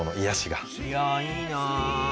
いやいいな。